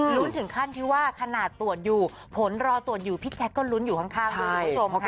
ถึงขั้นที่ว่าขนาดตรวจอยู่ผลรอตรวจอยู่พี่แจ๊คก็ลุ้นอยู่ข้างด้วยคุณผู้ชมค่ะ